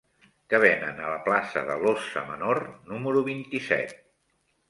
Què venen a la plaça de l'Óssa Menor número vint-i-set?